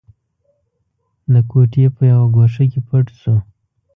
د کوټې په يوه ګوښه کې پټ شو.